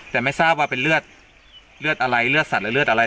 แต่ไม่ทราบว่าเป็นเลือดเลือดอะไรเลือดสัตว์เลือดอะไร